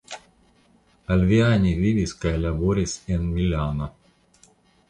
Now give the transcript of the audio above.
Alviani vivis kaj laboris en Milano.